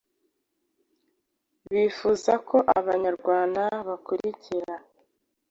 bifuza ko Abanyarwanda bakurikira